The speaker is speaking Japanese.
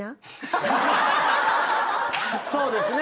そうですね。